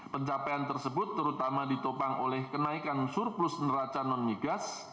pencapaian tersebut terutama ditopang oleh kenaikan surplus neraca non migas